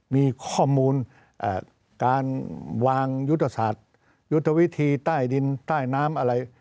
มีข้อมูลการวางยุทธศาสตร์ยุทธวิธีใต้ดินใต้น้ำอะไร